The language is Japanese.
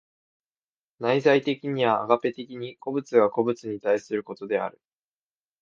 内在的にはアガペ的に個物が個物に対することである。